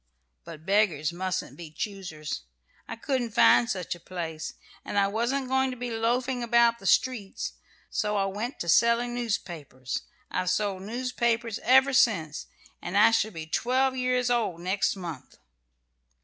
But beggars mustn't be choosers. I couldn't find such a place; and I wasn't going to be loafing about the streets, so I went to selling newspapers. I've sold newspapers ever since, and I shall be twelve years old next month."